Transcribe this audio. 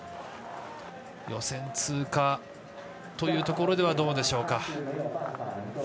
予選通過というところではどうでしょうか。